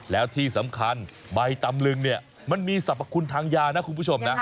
แล้วที่สำคัญใบตำลึงเนี่ยมันมีสรรพคุณทางยานะคุณผู้ชมนะ